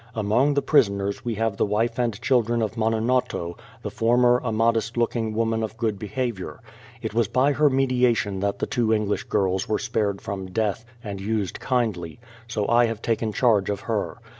Among the prisoners we have the wife and children of Mononotto, the former a modest looking woman of good behaviour. It was by her media tion that the two English girls were spared from death and used kindly; so I have taken charge of her.